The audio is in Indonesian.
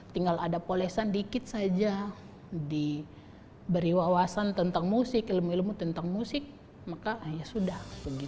tinggal ada polesan dikit saja diberi wawasan tentang musik ilmu ilmu tentang musik maka ya sudah